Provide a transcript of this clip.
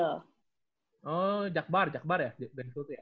oh jakbar jakbar ya